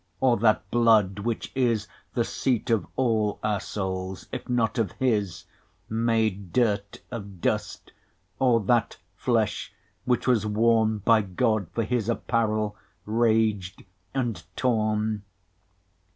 or that blood which is 25 The seat of all our Soules, if not of his, Made durt of dust, or that flesh which was worne By God, for his apparell, rag'd, and torne?